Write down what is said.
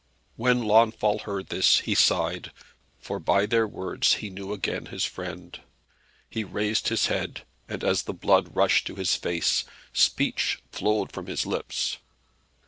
When Launfal heard this, he sighed, for by their words he knew again his friend. He raised his head, and as the blood rushed to his face, speech flowed from his lips.